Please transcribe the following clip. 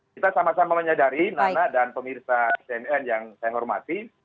kita sama sama menyadari nana dan pemirsa cnn yang saya hormati